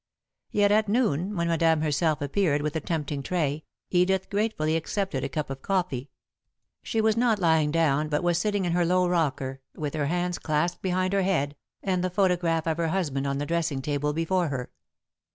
Yet at noon, when Madame herself appeared with a tempting tray, Edith gratefully accepted a cup of coffee. She was not lying down, but was sitting in her low rocker, with her hands clasped behind her head and the photograph of her husband on the dressing table before her.